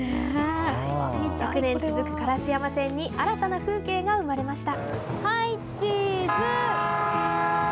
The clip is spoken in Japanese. １００年続く烏山線に新たな風景が生まれました。